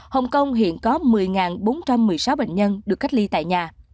hồng kông hiện có một mươi bốn trăm một mươi sáu bệnh nhân được cách ly tại nhà